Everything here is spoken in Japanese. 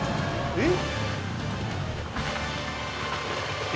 えっ？